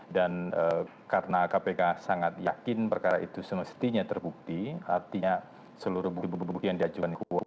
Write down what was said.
dan karena kpk sangat yakin perkara itu semestinya terbukti artinya seluruh buku buku buku yang diajukan